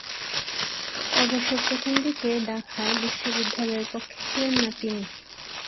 অবশ্য প্রথম দিকে ঢাকায় বিশ্ববিদ্যালয়ের পক্ষে ছিলেন না তিনি।